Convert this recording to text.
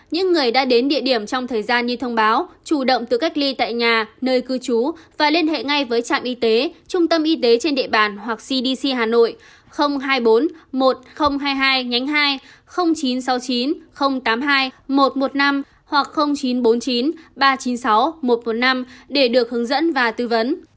những người đã đến địa điểm trong thời gian như thông báo chủ động từ cách ly tại nhà nơi cư trú và liên hệ ngay với trạm y tế trung tâm y tế trên địa bàn hoặc cdc hà nội hai mươi bốn một nghìn hai mươi hai hai chín trăm sáu mươi chín tám mươi hai một nghìn một trăm năm mươi ba